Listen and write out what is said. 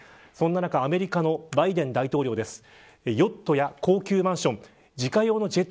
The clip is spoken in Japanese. そんな中アメリカのバイデン大統領です。